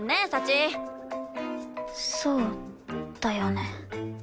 そうだよね。